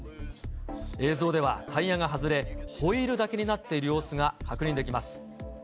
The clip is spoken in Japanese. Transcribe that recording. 映像ではタイヤが外れ、ホイールだけになっている様子が確認できます。